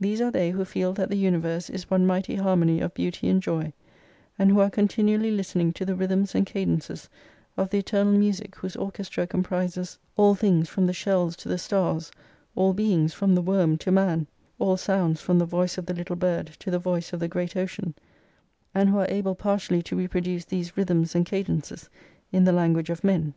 These are they who feel that the universe is one mighty harmony of beauty and joy ; and who are continually listening to the rhythms and cadences of the eternal music whose orchestra comprises all things from the ix shells to the stars, all beings from the worm to man, all sounds from the voice of the little bird to the voice of the great ocean ; and who are able partially to repro duce these rhythms and cadences in the language of •men.